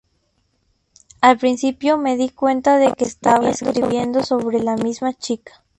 Al principio me di cuenta de que estaba escribiendo sobre la misma chica".